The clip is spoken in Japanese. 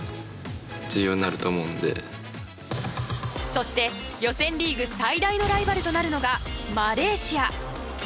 そして、予選リーグ最大のライバルとなるのがマレーシア。